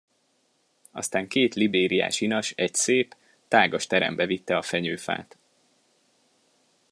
Aztán két libériás inas egy szép, tágas terembe vitte a fenyőfát.